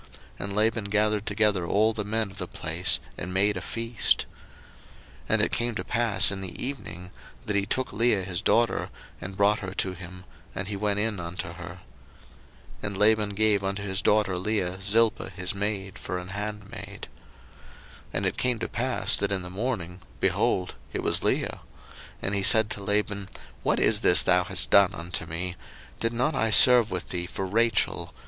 01:029:022 And Laban gathered together all the men of the place, and made a feast. 01:029:023 And it came to pass in the evening, that he took Leah his daughter, and brought her to him; and he went in unto her. 01:029:024 And Laban gave unto his daughter Leah Zilpah his maid for an handmaid. 01:029:025 And it came to pass, that in the morning, behold, it was Leah: and he said to Laban, What is this thou hast done unto me? did not I serve with thee for Rachel?